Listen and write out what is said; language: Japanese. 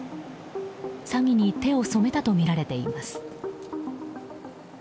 詐欺に手を染めたとみられています。